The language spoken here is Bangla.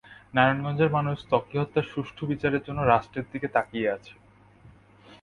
নারায়ণগঞ্জের মানুষ ত্বকী হত্যার সুষ্ঠু বিচারের জন্য রাষ্ট্রের দিকে তাকিয়ে আছে।